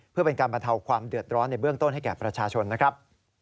เพื่อเป็นการบรรเทาความเดือดร้อนในเบื้องต้นให้แก่ประชาชนนะครับ